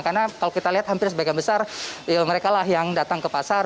karena kalau kita lihat hampir sebagian besar ya mereka lah yang datang ke pasar